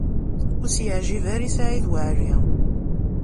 Ur as-yeɛǧib ara i Saɛid Waɛli.